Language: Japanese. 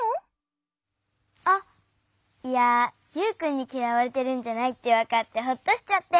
あっいやユウくんにきらわれてるんじゃないってわかってホッとしちゃって。